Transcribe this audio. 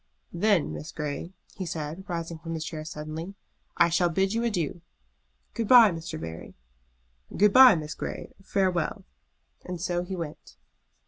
"Then, Miss Grey," he said, rising from his chair suddenly, "I shall bid you adieu." "Good bye, Mr. Barry." "Good bye, Miss Grey. Farewell!" And so he went.